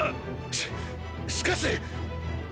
ししかし！